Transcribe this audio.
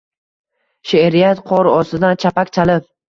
She’riyat – qor ostidan chapak chalib